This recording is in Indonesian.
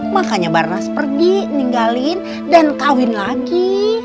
makanya barnas pergi ninggalin dan kawin lagi